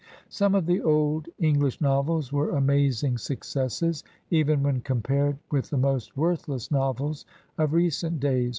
Some of the old English novels were amazing suc cesses even when compared with the most worthless novels of recent days.